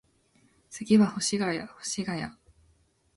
次は保谷保谷